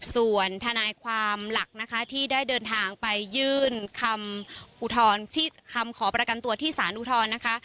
ส่วนทนายความหลักนะคะที่ได้เดินทางไปยื่นคำขอประกันตัวที่สารอุทธรณ์นะคะ